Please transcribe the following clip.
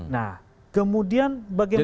nah kemudian bagaimana